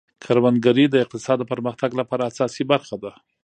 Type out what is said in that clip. کروندګري د اقتصاد د پرمختګ لپاره اساسي برخه ده.